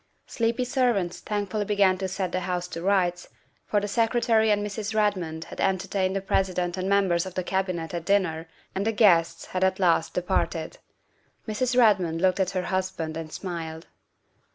Sleepy servants thankfully began to set the house to rights, for the Secretary and Mrs. Redmond had entertained the President and members of the Cabi net at dinner and the guests had at last departed. Mrs. Redmond looked at her husband and smiled.